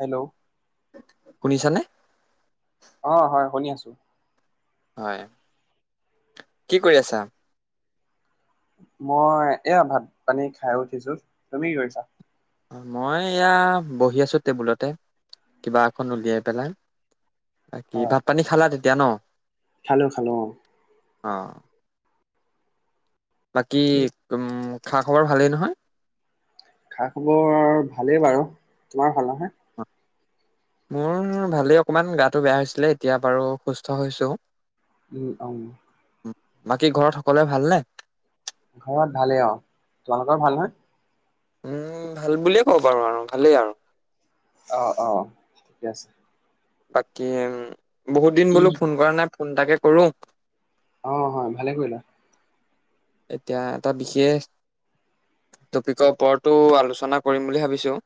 Hello শুনিছানে? অ' হয়, শুনি আছোঁ। হয়, কি কৰি আছা? মই এয়া ভাত পানী খাই উঠিছো তুমি কি কৰিছা? মই এয়া বহি আছোঁ টেবুলতে কিবা এখন উলিয়াই পেলাই। বাকি ভাত পানী খালা তেতিয়া ন'? খালোঁ, খালো অ। অ', বাকী তোম খা-খবৰ ভালেই নহয়? খা-খবৰ ভালেই বাৰু তোমাৰ ভাল নহয়? মোৰ ভালেই অকমান গাটো বেয়া হৈছিলে এতিয়া বাৰু সুস্থ হৈছো। উম, অং। বাকী ঘৰত সকলোৱে ভাল নে? ঘৰত ভালেই অ'তোমালোকৰ ভাল নহয়? উম, ভাল বুলিয়ে ক'ব পাৰোঁ আৰু ভালেই আৰু। অ'অ' ঠিকে আছে। বাকী উম, বহুত দিন বোলোঁ ফোন কৰা নাই ফোন এটাকে কৰোঁ। অ' হয় ভালে কৰিলা। এতিয়া এটা বিশেষ টপিকৰ ওপৰতো আলোচনা কৰিম বুলি ভাবিছো।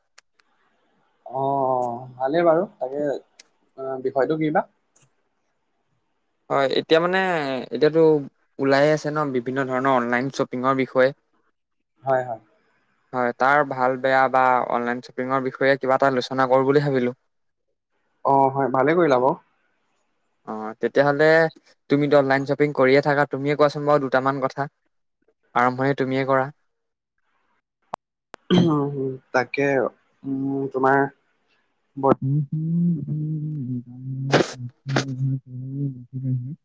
অ'অ'ভালেই বাৰু তাকে অ' বিষয়টো কি বা? হয়, এতিয়া মানে এতিয়াতো ওলাইয়ে আছে ন' বিভিন্ন ধৰণৰ অনলাইন চপিঙৰ বিষয়ে। হয়, হয়। হয়, তাৰ ভাল-বেয়া বা অনলাইন চপিঙৰ বিষয়ে কিবা এটা আলোচনা কৰোঁ বুলি ভাবিলোঁ। অ'হয় ভালে কৰিলা বাৰু। অ' তেতিয়াহ'লে তুমিতো অনলাইন শ্বপিং কৰিয়ে থাকা, তুমিয়ে কোৱাচোন বাৰু দুটামান কথা? আৰম্ভণি তুমিয়ে কৰা। [unintelligible] তাকে মোৰ তোমাৰ [unintelligible] [inaudible] [inaudible]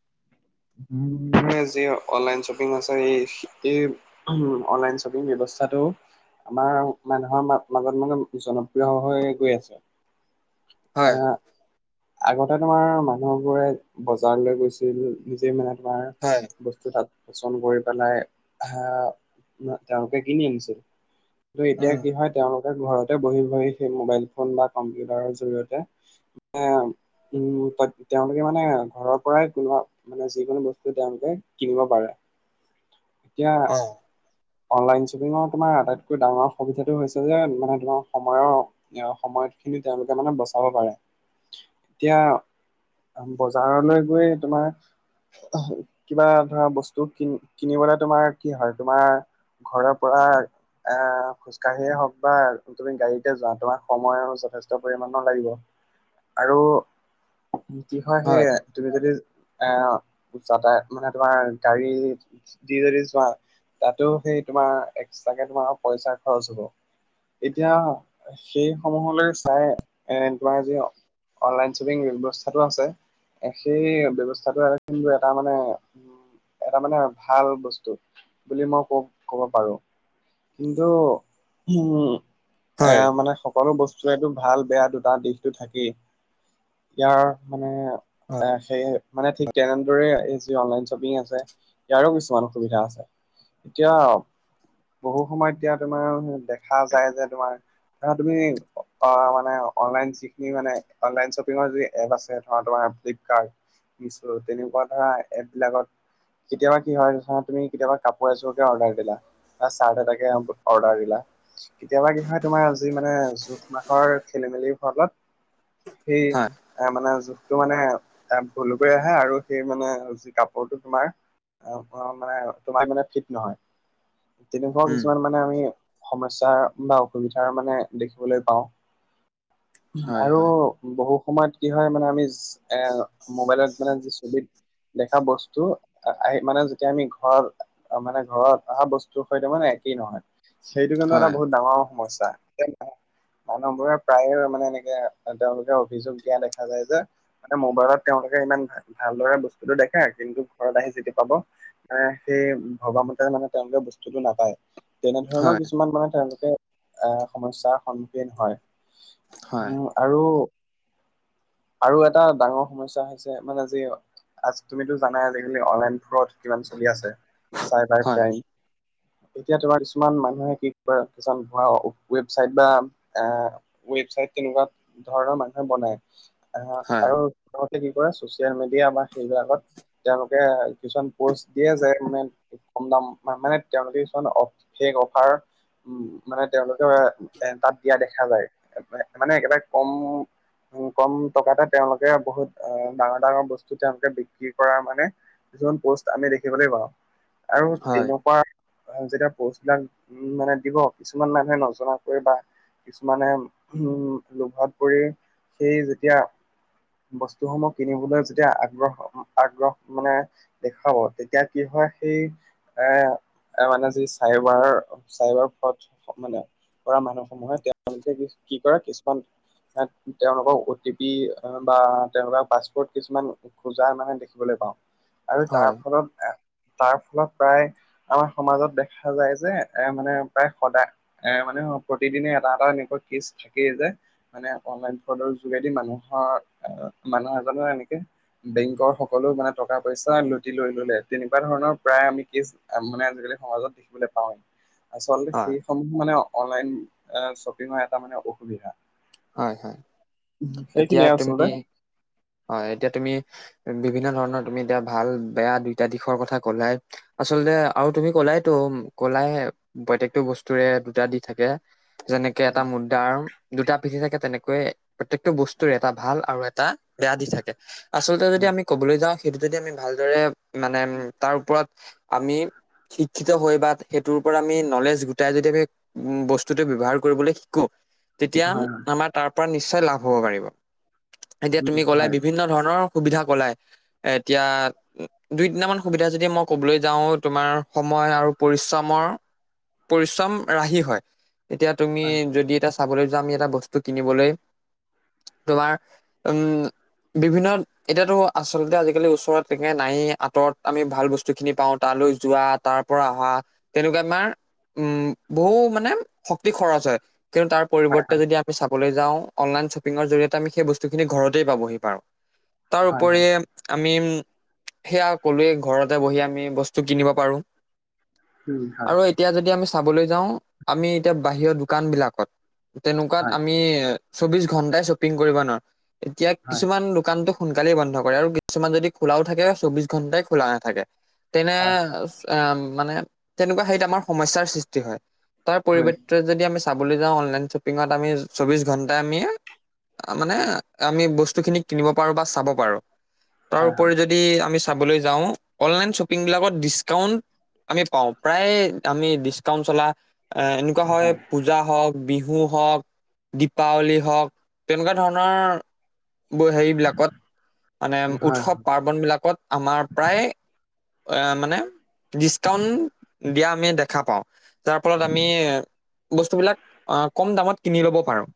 [inaudible] এ যি অনলাইন শ্বপিং আছে এই সে এই [unintelligible] অনলাইন শ্বপিং ব্যৱস্থাটো আমাৰ মানুহৰ মাজত মানে জনপ্ৰিয় হৈ গৈ আছে। হয় [unintelligible] আগতে তোমাৰ মানুহবোৰে বজাৰলৈ গৈছিল নিজে মানে তোমাৰ হয় বচ স্ত তাত পচন্দ কৰি পেলাই হাহ ন' তেওঁলোকে কিনি আনিছিল। টো এতিয়া উম কি হয় তেওঁলোকে ঘৰতে বহি, বহি সেই মোবাইল ফোন বা কম্পিউটাৰৰ জৰি়য়তে আ, উম, তাত তেওঁলোকে মানে ঘৰৰ পৰাই কোনবা মানে যিকোনো বস্তু তেওঁলোকে কিনিব পাৰে এতিয়া অ অনলাইন চপিঙৰ তোমাৰ আটাইতকৈ ডাঙৰ সুবিধাটো হৈছে যে মানে তোমাৰ সময় ইয় সময় খিনি তেওঁলোকে মানে বচাব পাৰে এতিয়া বজাৰলৈ গৈয়ে তোমাৰ কিবা ধৰা বস্তু কিন-কিনিবলৈ তোমাৰ কি হয় তোমাৰ ঘৰৰ পৰা অহ, খোজ কাঢ়িয়ে হওঁক বা তুমি গাড়ীতে যোৱা তোমাৰ সময় অনুচ যথেষ্ট পৰিমাণৰ লাগিব আৰু যি হয় সে তুমি যদি এ যাতায়ত মানে তোমাৰ গাড়ী দি যদি যোৱা তাতো সেই তোমাৰ এক্সট্ৰাকে তোমাৰ পইচা খৰচ হ'ব। এতিয়া সেই সমূহলৈ চাই এ তোমাৰ যিঅ অনলাইন শ্ব'পিং ব্যৱস্থাটো আছে। একচুৱেলী সেই ব্যৱস্থাটো আৰু কিন্তু এটা মানে এটা মানে ভাল বস্তু বুলি মই ক' ক'ব পাৰোঁ। কিন্তু উম, এ মানে সকলো বস্ত এইটো ভাল বেয়া দুটা দিশটো থাকেই ইয়াৰ সমূহৰ অ', সেই মানে ঠিক তেনেদৰে এই যি অনলাইন শ্বপিং আছে। ইয়াৰো কিছুমান অসুবিধা আছে, এতিয়া বহু সময় এতিয়া তোমাৰ দেখা যায় যে তোমাৰ না তুমি অ', মানে অনলাইন যিখিনি মানে অনলাইন শ্বপিঙৰ যি এপ আছে ধৰ তোমাৰ ফ্লিপকাৰ্ট। মিচো তেনেকুৱা ধৰা এপবিলাকত কেতিয়াবা কি হয়, ধৰ তুমি কেতিয়াবা কাপোৰ এজোৰকে অৰ্ডাৰ দিলা। বা চাৰ্ট এটাকে অৰ্ডাৰ দিলা, কেতিয়াবা কি হয় তোমাৰ যি মানে জোখ মাখৰ খেলি মেলিৰ ফলত সেই হয় এ, মানে জোখটো মানে এ ভুল কৰি আহে আৰু সেই মানে যি কাপোৰটো তোমাৰ অ', অ', মানে তোমাৰ মানে ঠিক নহয়। তেনেকুৱা উম কিছুমান মানে আমি সমস্যাৰ বা অসুবিধাৰ মানে দেখিবলৈ পাওঁ। হয় আৰু হয় বহু সময়ত কি হয় মানে আমি এ, মোবাইলত মানে যি ছবিত দেখা বস্তু অআহি মানে যেতিয়া আমি ঘৰত, মানে ঘৰত অহা বস্তুৰ সৈতে মানে একেই নহয়। সেইটো কিন্তু এটা হয় বহুত ডাঙৰ সমস্যা। মানুহবোৰে প্ৰায়ে মানে এনেকে তেওঁলোকে অভিযোগ দিয়া দেখা যায় যে। মানে মোবাইলত তেওঁলোকে ইমান ভা-ভালদৰে বস্তুটো দেখাই কিন্তু, ঘৰত আহি যিটো পাব মানে সেই ভবামতে মানে তেওঁলোকে বস্তুটো নাপায়। তেনেধৰণৰ হয় কিছুমান মানে তেওঁলোকে অহ, সমস্যাৰ সন্মুখীন হয়। হয় উম আৰু আৰু এটা ডাঙৰ সমস্যা হৈছে মানে যি আজ তুমিতো জানাই আজিকালি অনলাইন ফ্ৰ'দ কিমান চলি আছে, চাইবাৰ হয় ক্ৰাইম। এতিয়া তোমাৰ কিছুমান মানুহে কি কৰে কিছুমান ভুৱা ৱেবচাইট বা আ ৱেবচাইট তেনেকুৱা ধৰণৰ মানুহে বনায় অহ, হয় আৰু প্ৰথমতে কি কৰে, ছচিয়েল মিডিয়া বা সেইবিলাকত তেওঁলোকে কিছুমান প'ষ্ট দিয়ে যে, মানে কম দাম মা-মানে তেওঁলোকে কিছুমান বিশেষ অফাৰ উম, মানে তেওঁলোকে এ তাত দিয়া দেখা যায়, মানে একেবাৰে কম উম, কম টকাতে তেওঁলোকে বহুত ডাঙৰ ডাঙৰ বস্তু তেওঁলোকে বিক্ৰী কৰা মানে কিছুমান প'ষ্ট আমি দেখিবলৈ পাওঁ। আৰু হয় তেনেকুৱা যেতিয়া প'ষ্টবিলাক মানে দিব উম, কিছুমান মানুহে নজনা কে বা কিছুমানে উম, লোভত পৰি সেই যেতিয়া বস্তুসমূহ কিনিবলৈ যেতিয়া আগ্ৰহ আগ্ৰহ মানে দেখাব, তেতিয়া কি হয়, সেই এ এ মানে যি চাইবাৰ চাইবাৰ ফ্ৰদ মানে। কৰা মানুহ সমূহে তেওঁলোকে কি কি কৰে কিছুমান তেওঁলোকৰ অ' টি পি বা তেওঁলোকৰ পাছপোৰ্ট কিছুমান খোজা মানে দেখিবলৈ পাওঁ, আৰু হয় তাৰ ফলত প্ৰায় আমাৰ সমাজত দেখা যায় যে, এ মানে প্ৰায় সদায় এ মানে মানে প্ৰতিদিনে এটা এটা এনেকুৱা কেছ থাকিয়ে, যায় মানে অনলাইন ফ্ৰডৰ যোগেদি মানুহৰ আহ, মানুহ এজনৰ এনেকে বেংকৰ সকলো মানে টকা পইচা লুটি লৈ ল'লে তেনেকুৱা ধৰণৰ প্ৰায় আমি কেচ মানে আজিকালি সমাজত দেখিবলৈ পাওৱেই। আচলতে হয় সেইসমূহ মানে অনলাইন শ্বপিঙৰ এটা মানে অসুবিধা। হয়, হয়, এতিয়া সেইখিনিয়ে তুমি আচলতে হয়, এতিয়া তুমি বিভিন্ন ধৰণৰ তুমি এতিয়া ভাল বেয়া দুইটা দিশৰ কথা ক'লাই। আচলতে আৰু তুমি ক'লাইতো ক'লাই প্ৰত্যয়েকটো বস্তুৰে দুটা দিশ থাকে। কেনেকে এটা মুদ্ৰাৰ দুটা পিঠি থাকে তেনেকৈয়ে প্ৰত্যেকটো বস্তুৰে এটা ভাল আৰু এটা বেয়া দিশ থাকে, আচলতে যদি আমি ক'বলৈ যাওঁ সেইটো যদি আমি ভালদৰে মানে তাৰ ওপৰত আমি শিক্ষিত বা সেইটোৰও পৰা নলেজ গোটাই যদি আমি উম, বস্তুটো ব্যৱহাৰ কৰিবলৈ শিকো। তেতিয়া হয় আমাৰ তাৰ পৰা নিশ্চয় লাভ হ'ব পাৰি, এতিয়া হয় তুমি ক'লাই হয় বিভিন্ন ধৰণৰ সুবিধা ক'লাই এ এতিয়া দুই তিনিটামান সুবিধা যদি মই কবলৈ যাওঁ তোমাৰ সময় আৰু পৰিশ্ৰমৰ। পৰিশ্ৰম ৰাহি হয়, এতিয়া তুমি হয় যদি এতিয়া চাবলৈ যোৱা আমি এটা বস্তু কিনিবলৈ তোমাৰ উম বিভিন্নত এতিয়াতো আচলতে আজিকালি ওচৰত তেনেকে নাই আঁতৰত আমি ভাল বস্তু যোনখিনি পাওঁ, তালৈ যোৱা তাৰ পৰা অহা তেনেকুৱা আমাৰ উম, বহু মানে শক্তি খৰচ হয়, কিন্তু তাৰ হয় পৰিৱৰ্তে যদি আমি চাবলৈ যাওঁ অনলাইন শ্বপিঙৰ জৰিয়তে আমি সেই বস্তুখিনি ঘৰতেই পাবহি পাৰোঁ। তাৰ হয় হয় হয় হয় উপৰি আমি সেয়া কলোৱে ঘৰতে বহি আমি বস্তু কিনিব পাৰোঁ। হয় আৰু এ। যদি আমি চাবলৈ যাওঁ আমি এতিয়া বাহিৰ দোকানবিলাকত তেনেকুৱাত। হয় আমি চৌবিশ ঘন্টাই শ্বপিং কৰিব নোৱাৰোঁ এতিয়া হয় কিছুমান দোকানতো। সোনকালে বন্ধ কৰে আৰু কিছুমান যদি খোলাও থাকে ঘন্টাই খোলা নাথাকে তেনে। হয় অ মানে তেনেকুৱা হেয়িত আমাৰ সমস্যাৰ সৃষ্টি হয় তাৰ হয় পৰিবৰ্তিত যদি আমি চাবলৈ যাওঁ অনলাইন শ্বপিংত আমি চৌবিশ ঘন্টা আমি। তামানে আমি বস্তুখিনি কিনিব পাৰোঁ বা চাব পাৰো হয় তাৰোপৰি যদি। যদি আমি চাবলৈ যাওঁ অনলাইন শ্বপিং বিলাকত ডিচকাউন। আমি পাওঁ প্ৰায় আমি ডিচকাউন্ট চলা। এনেকুৱা হয় পূজা হওঁক বিহু হওক। দীপাৱলী হওঁক তেনেকুৱা ধৰণৰ। বৈ হেৰিবিলাকত মানে হয় উৎসৱ পাৰ্বনবিলাকত আমাৰ প্ৰায়। অ মানে। দিচকাউন দিয়া আমি দেখা পাওঁ যাৰফলত আমি। বস্তুবিলাক কম দামত কিনি ল'ব পাৰোঁ।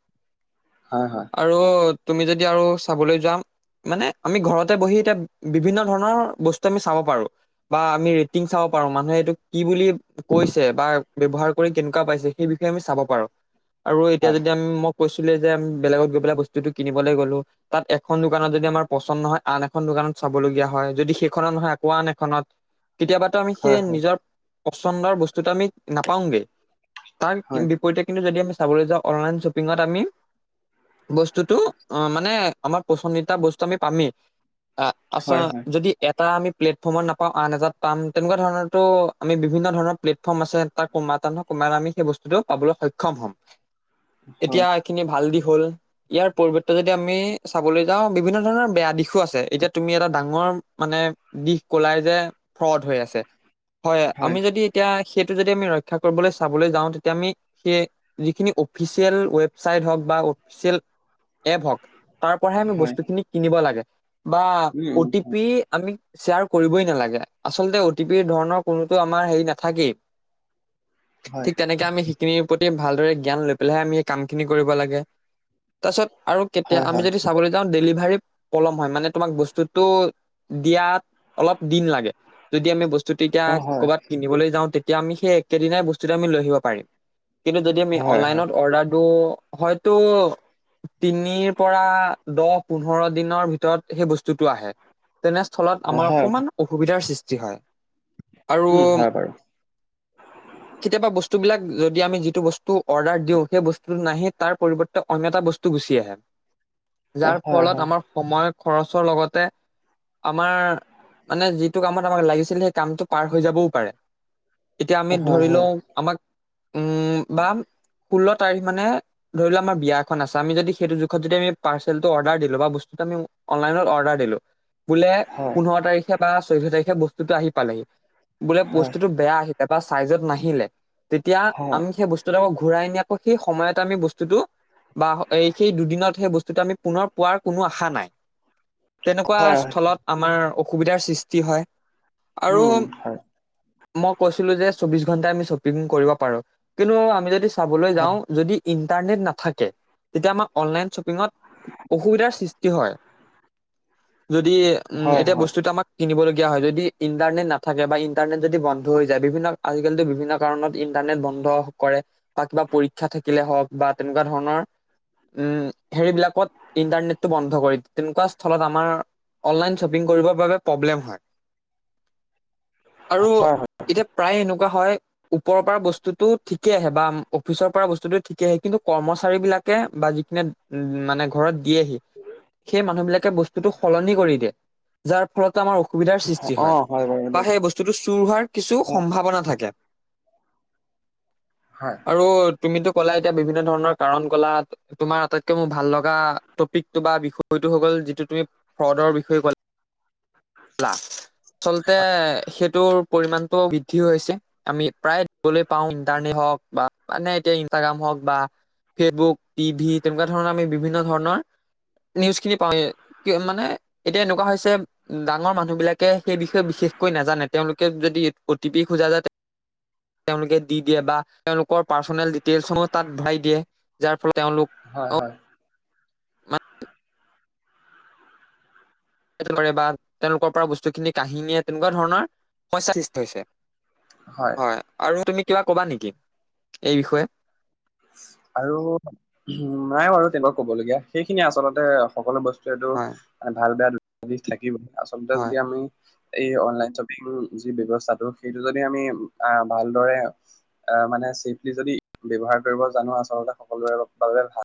হয় হয়। আৰু তুমি যদি আৰু চাবলৈ যাম। মানে আমি ঘৰতে বহি এতিয়া বিভিন্ন ধৰণৰ বস্তু আমি চাব পাৰোঁ। বা আমি ৰেটিং চাব পাৰো, মানুহে এইটো কি বুলি কৈছে বা ব্যৱহাৰ কৰি কেনেকুৱা পাইছে। সেই বিষয়ে আমি চাব পাৰো, আৰু এতিয়া যদি উম, মই কৈছিলো যে [unintelligible] বেলেগত গৈ পেলাই বস্তুটো কিনিবলৈ গ'লো। তাত এখন দোকানত যদি আমাৰ পচন্দ নহয়, আন এখন দোকানত চাবলগীয়া হয়, যদি সেইখনত নহয় আকৌ আন এখনত। [inaudible] কেতিয়াবাতো আমি সেই হয় হয় নিজৰ পচন্দৰ বস্তুটো আমি নাপাওঁগৈ, কাৰণ হয় [unintelligible] যদি আমি চাবলৈ যাওঁ অনলাইন শ্বপিংত আমি বস্তুটো অ, মানে আমাৰ পচন্দিতা বস্তু আমি পামেই, আ আচ হয় হয় যদি এটা আমি প্লেটফৰ্মত নাপাওঁ, আন এজাত পাম, তেনেকুৱা ধৰণৰো আমি বিভিন্ন ধৰণৰ প্লেটফৰ্ম আছে। তাত কোনোবা এটা নহয় কোনোবা এটাত আমি সেই বস্তুটোত পাবলৈ সক্ষম হ'ম। এতিয়া হয় এইখিনি ভাল দিশ হ'ল ইয়াৰ পৰিৱৰ্তে যদি আমি চাবলৈ যাওঁ, বিভিন্ন ধৰণৰ বেয়া দিশো আছে, এতিয়া তুমি এটা ডাঙৰ মানে দিশ ক'লাই যে ফ্ৰড হৈ আছে, হয়, আমি যদি তেতিয়া সেইটো যদি আমি ৰক্ষা কৰিবলৈ চাবলৈ যাওঁ, তেতিয়া আমি সেই যিখিনি অফিচিয়েল ৱেবচাইট হওক বা অফিচিয়েল এপ হওক, তাৰ পৰাহে আমি হয় হয় বস্তুখিনি কিনিব লাগে বা um O T um P আমি শ্বেয়াৰ কৰিবই নালাগে, আচলতে অ টি পি ধৰণৰ কোনোতো আমাৰ হেৰি নাথাকেই। হয় ঠিক, তেনেকে আমি সেইখিনিৰ প্ৰতি ভালদৰে জ্ঞান লৈ পেলাইহে আমি এই কাম খিনি কৰিব লাগে। তাৰপিছত আৰু কেতিয়া হয় আমি হয় যদি চাবলৈ যাওঁ, ডেলিভাৰী পলম হয়, মানে তোমাক বস্তুটো দিয়াত অলপ দিন লাগে। যদি আমি বস্তুটো এতিয়া অ হয় ক'ৰবাত কিনিবলৈ যাওঁ, তেতিয়া আমি সেই একেদিনাই বস্তুটো আমি লৈ আহিব পাৰিম। কিন্তু যদি আমি হয় হয় অনলাইনত অৰ্ডাৰ দিওঁ, হয়তো তিনিৰ পৰা দহ-পোন্ধৰ দিনৰ ভিতৰত সেই বস্তুটো আহে। তেনেস্থলত অ আমাৰ হয় অকণমান অসুবিধাৰ সৃষ্টি হয়, আৰু উম হয় বাৰু কেতিয়াবা বস্তুবিলাক যদি আমি যিটো বস্তু অৰ্ডাৰ দিওঁ সেই বস্তুটো নাহে, তাৰ পৰিৱৰ্তে অন্য এটা বস্তু গুচি আহে। অ যাৰ হয় ফলত হয় আমাৰ সময়ৰ খৰচৰ লগতে আমাৰ মানে যিটো কামত আমাক লাগিছিল, সেই কামটো পাৰ হৈ যাবও পাৰে। এতিয়া অ আমি হয় ধৰি হয় লও, আমাক উম বা ষোল্ল তাৰিখ মানে ধৰি লোৱা আমাৰ বিয়া এখন আছে, আমি যদি সেইটো জোখত যদি আমি পাৰ্চেলটো অৰ্ডাৰ দিলো বা বস্তুটো আমি অনলাইনত অৰ্ডাৰ দিলোঁ বোলে হয়। পোন্ধৰ তাৰিখে বা চৈধ্য তাৰিখে বস্তুটো আহি পালেহি, বোলে বস্তুটো বেয়া আহি এবাৰ চাইজত নাহিলে, তেতিয়া হয় হয় আমি সেই বস্তুটো আকৌ ঘূৰাই সেই সময়ত আমি বস্তুটো বা এই সেই দুদিনত সেই বস্তুটো আমি পুনৰ পোৱাৰ কোনো আশা নাই। তেনেকুৱা হয় হয় স্থলত আমাৰ অসুবিধাৰ সৃষ্টি হয়। আৰু উম হয় মই কৈছিলো যে, চৌবিশ ঘন্টাই আমি শ্বপিং কৰিব পাৰো, কিন্তু আমি যদি চাবলৈ হয় যাওঁ, যদি ইণ্টাৰনেট নাথাকে, তেতিয়া আমাৰ অনলাইন শ্বপিঙত অসুবিধাৰ সৃষ্টি হয়। যদি, উম, হয় এতিয়া হয় বস্তুতো আমাক কিনিবলগীয়া হয়, যদি ইণ্টাৰনেট নাথাকে বা ইন্টাৰনেট যদি বন্ধ হৈ যায়, বিভিন্ন আজিকালিতো বিভিন্ন কাৰণত ইন্টাৰনেট বন্ধ কৰে বা কিবা পৰীক্ষা থাকিলে হওক বা তেনেকুৱা ধৰণৰ উম, হেৰিবিলাকত ইণ্টাৰনেটটো বন্ধ কৰি দিয়ে, তেনেকুৱা স্থলত আমাৰ অনলাইন শ্বপিং কৰিবৰ বাবে প্ৰব্লেম হয়। আৰু হয় হয় এতিয়া প্ৰায় এনেকুৱা হয় ওপৰৰ পৰা বস্তুতটো ঠিকেই আহে বা অফিচৰ পৰা বস্তুতটো ঠিকে আহে কিন্তু কৰ্মচাৰী বিলাকে বা যিখিনি উ মানে ঘৰত দিয়েহি। সেই মানুহ বিলাকে বস্তুতটো সলনি কৰি দিয়ে। যাৰ ফলত আমাৰ অসুবিধাৰ সৃষ্টি অ হয় বাৰু বা দেই সেই বস্তুটো চুৰ হোৱাৰ কিছু হয় সম্ভাৱনা থাকে। হয়। আৰু তুমিতো ক'লা এতিয়া বিভিন্ন ধৰণৰ কাৰণ কলা। তোমাৰ আটাইতকৈ মোৰ ভাল লগা টপিকটো বা বিষয়টো হ গল যিটো তুমি ফ্ৰডৰ বিষয়ে ক'লা। লা আচলতে সেইটোৰ পৰিমণতটো বৃদ্ধি হৈছে আমি প্ৰায়। গলে পাওঁ ইণ্টাৰনেট হওঁক বা মানে এতিয়া ইনষ্টাগ্ৰাম হওঁক বা ফেচবুক, টিভি তেনেকুৱা ধৰণৰ আমি বিভিন্ন ধৰণৰ নিউজখিনি পাওঁৱে। কি মানে এতিয়া এনেকুৱা হৈছে। ডাঙৰ মানুহ বিলাকে সেই বিষয়ে বিশেষকৈ নাজানে তেওঁলোকে যদি অ টি পি খোজা যায়। তেওঁলোকে দি দিয়ে বা তেওঁলোকৰ পাৰ্চনেল ডিটেইলছ সমূহ তাত ভৰাই দিয়ে যাৰ ফলত তেওঁলোক। হয় হয়। বা তেওঁলোকৰ পৰা বস্তুখিনি কাঢ়ি নিয়ে তেনেকুৱা ধৰণৰ সমস্যাৰ সৃষ্টি হৈছে। হয় আৰু তুমি কিবা কবা নেকি? এই বিষয়ে। আৰু নাই বাৰু তেনেকুৱা ক'বলগীয়া সেইখিনিয়ে আচলতে সকলো বস্তু। টো হয় মানে ভাল বেয়া দুটা দিশ থাকিব আচলতে হয় যদি আমি এই অনলাইন শ্বপিং যি ব্যৱস্থাটো সেইটো যদি আমি আহ ভালদৰে অ' মানে ছেফলি যদি ব্যৱহাৰ কৰিব জানোঁ আচলতে সকলোৰে বাবে ভাল।